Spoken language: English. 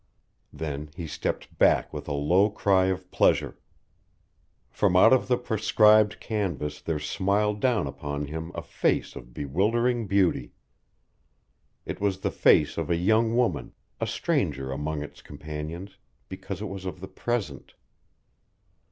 Then he stepped back with a low cry of pleasure. From out of the proscribed canvas there smiled down upon him a face of bewildering beauty. It was the face of a young woman, a stranger among its companions, because it was of the present.